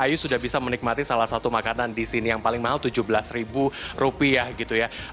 ayu sudah bisa menikmati salah satu makanan di sini yang paling mahal tujuh belas rupiah gitu ya